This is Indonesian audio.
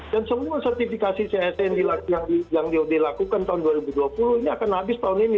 dan semua sertifikasi csa yang dilakukan tahun dua ribu dua puluh ini akan habis tahun ini